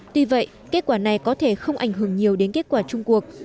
tuy vậy kết quả này có thể không ảnh hưởng nhiều đến kết quả trung quốc